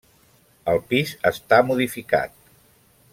El pis està modificat.